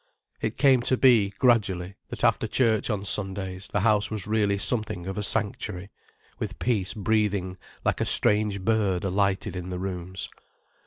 It came to be, gradually, that after church on Sundays the house was really something of a sanctuary, with peace breathing like a strange bird alighted in the rooms.